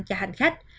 cho hành khách